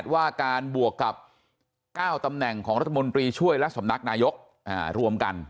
ว่าการบวกกับ๙ตำแหน่งของรัฐมนตรีช่วยและสำนักนายกรวมกัน